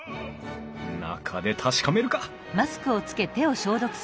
中で確かめるか